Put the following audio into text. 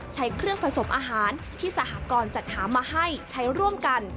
ใช้เครื่องผสมอาหารที่สหกรณ์จัดหามาให้ใช้ร่วมกัน